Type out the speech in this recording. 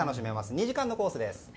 ２時間のコースです。